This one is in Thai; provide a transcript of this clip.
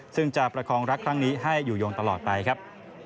ซึ่งจะประคองรักครั้งนี้ให้อยู่ยงตลอดไปครับ